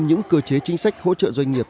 những cơ chế chính sách hỗ trợ doanh nghiệp